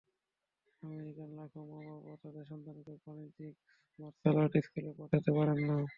আমেরিকার লাখো মা-বাবা তাঁদের সন্তানদের বাণিজ্যিক মার্শাল আর্ট স্কুলে পাঠাতে পারেন না।